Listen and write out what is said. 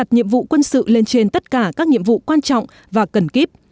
nhiệm vụ quân sự lên trên tất cả các nhiệm vụ quan trọng và cần kíp